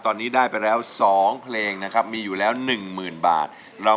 ก็เป็นเพลงที่สองนะครับ